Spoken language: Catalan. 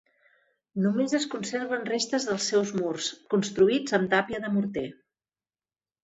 Només es conserven restes dels seus murs, construïts amb tàpia de morter.